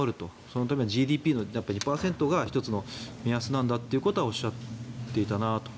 そのためにＧＤＰの２％が１つの目安なんだということをおっしゃっていたなと。